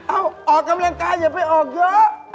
ออกกำลังกายอย่าไปออกเยอะ